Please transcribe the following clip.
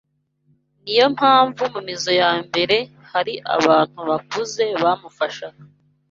Ni yo mpamvu mu mizo ya mbere hari abantu bakuze bamufashaga